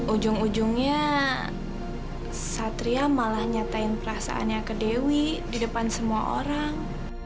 ujung ujungnya satria malah nyatain perasaannya ke dewi di depan semua orang